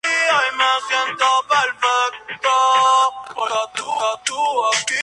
Tiene varias fases de colores que usa para su camuflaje.